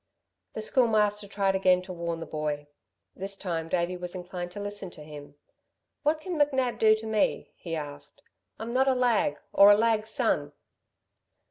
The Schoolmaster tried again to warn the boy. This time, Davey was inclined to listen to him. "What can McNab do to me?" he asked. "I'm not a lag, or a lag's son."